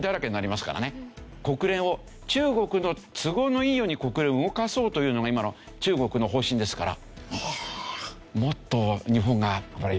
国連を中国の都合のいいように国連を動かそうというのが今の中国の方針ですから。